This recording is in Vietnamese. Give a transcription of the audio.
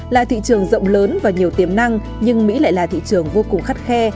là thị trường rộng lớn và nhiều tiềm năng nhưng mỹ lại là thị trường vô cùng khắt khe